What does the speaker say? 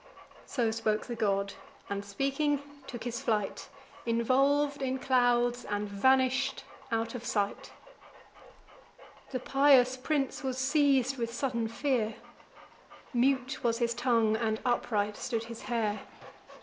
So spoke the god; and, speaking, took his flight, Involv'd in clouds, and vanish'd out of sight. The pious prince was seiz'd with sudden fear; Mute was his tongue, and upright stood his hair.